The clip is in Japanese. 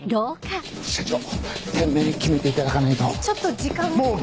ちょっと時間を。